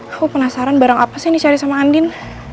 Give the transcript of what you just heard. aku penasaran barang apa sih yang dicari sama andin